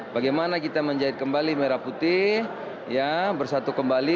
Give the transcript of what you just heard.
bagaimana kita menjahit kembali merah putih bersatu kembali